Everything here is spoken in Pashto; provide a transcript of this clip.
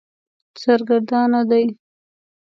سرګردانه دی.